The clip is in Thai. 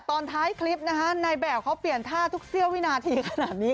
ตอนท้ายคลิปนะคะนายแบบเขาเปลี่ยนท่าทุกเสี้ยววินาทีขนาดนี้